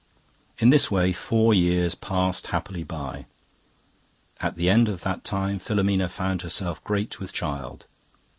"In this way four years passed happily by. At the end of that time Filomena found herself great with child.